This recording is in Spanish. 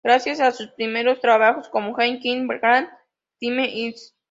Gracias a sus primeros trabajos, como "Hey Kids, What Time Is It?